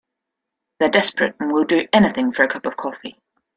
They're desperate and will do anything for a cup of coffee.